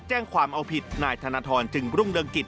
แจ้งความเอาผิดนายธนทรจึงรุ่งเรืองกิจ